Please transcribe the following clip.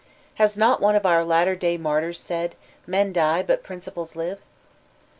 Has not one of our latter day martyrs said, "Men die, but principles live''?